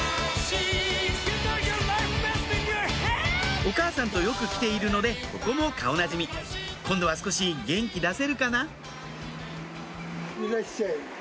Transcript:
お母さんとよく来ているのでここも顔なじみ今度は少し元気出せるかな？